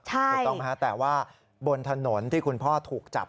ถูกต้องไหมฮะแต่ว่าบนถนนที่คุณพ่อถูกจับ